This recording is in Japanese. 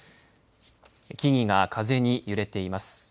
木々が風に揺れています。